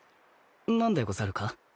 何でござるか？